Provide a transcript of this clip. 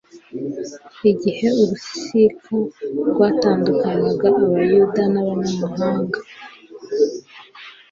igihe urusika rwatandukanyaga abayuda n'abanyamahanga